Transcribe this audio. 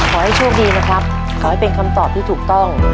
ขอให้โชคดีนะครับขอให้เป็นคำตอบที่ถูกต้อง